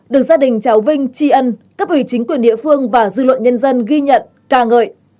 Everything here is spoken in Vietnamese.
được gia đình cháu vinh tri ân cấp ủy chính quyền địa phương và dư luận nhân dân ghi nhận ca ngợi